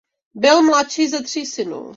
Byl mladší ze tří synů.